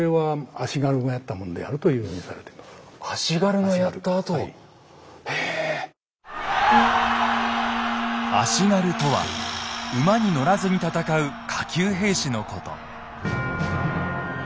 「足軽」とは馬に乗らずに戦う下級兵士のこと。